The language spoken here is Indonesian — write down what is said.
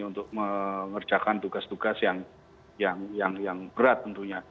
untuk mengerjakan tugas tugas yang berat tentunya